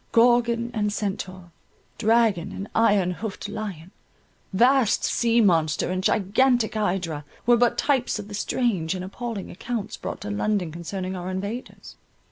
Gorgon and Centaur, dragon and iron hoofed lion, vast sea monster and gigantic hydra, were but types of the strange and appalling accounts brought to London concerning our invaders.